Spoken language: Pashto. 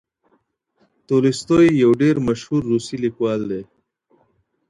تولستوی یو ډېر مشهور روسي لیکوال دی.